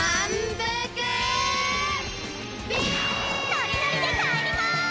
ノリノリでかえります！